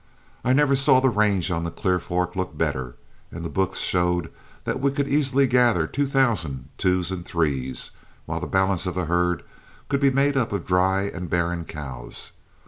I never saw the range on the Clear Fork look better, and the books showed that we could easily gather two thousand twos and threes, while the balance of the herd could be made up of dry and barren cows.